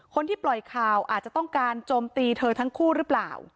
คนที่ปล่อยข่าวอาจจะต้องการโจมตีเธอทั้งคู่หรือเปล่า